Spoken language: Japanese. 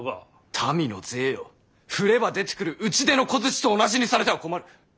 民の税を振れば出てくる打ち出の小槌と同じにされては困る。